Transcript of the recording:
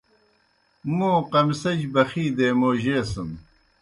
مو قمصِجیْ بَخِی دے موجیسِن۔